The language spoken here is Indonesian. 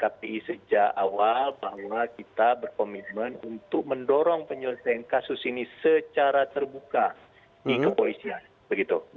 kpi sejak awal bahwa kita berkomitmen untuk mendorong penyelesaian kasus ini secara terbuka di kepolisian begitu